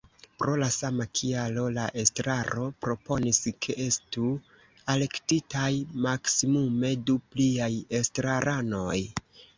Pro la sama kialo la estraro proponis, ke estu alelektitaj maksmimume du pliaj estraranoj.